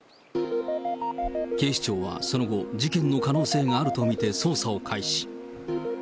警視庁はその後、事件の可能性があると見て捜査を開始。